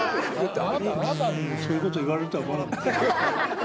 あなたにそういうこと言われるとは思わなかった。